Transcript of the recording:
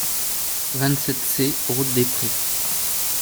vingt-sept C route des Prés